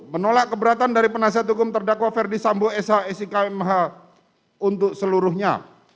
satu menolak keberatan dari penasihat hukum terdakwa verdi sambu esa isi kmh untuk seluruhnya